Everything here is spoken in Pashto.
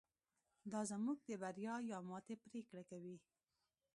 دا زموږ د بریا یا ماتې پرېکړه کوي.